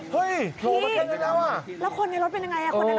พี่แล้วคนในรถเป็นไง